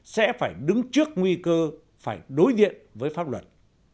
sẽ phải đứng trước nguy cơ phải đối diện với pháp luật